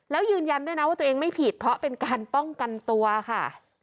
แล้วยืนยันด้วยนะว่าตัวเองไม่ผิดเพราะเป็นการป้องกันตัวค่ะ